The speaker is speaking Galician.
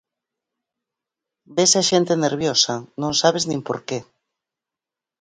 Vese a xente nerviosa, non sabes nin por que.